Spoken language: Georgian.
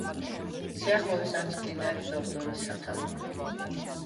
სიახლოვეს არის მდინარე დორდონის სათავე.